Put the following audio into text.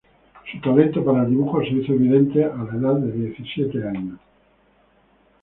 Su talento para el dibujo se hizo evidente a la edad de diecisiete años.